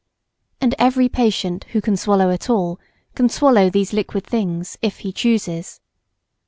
And every patient who can swallow at all can swallow these liquid things, if he chooses.